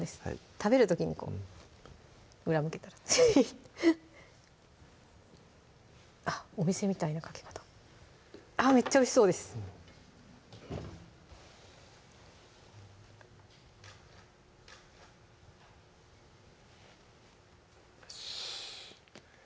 食べる時にこう裏向けたらあっお店みたいなかけ方あっめっちゃおいしそうですよし！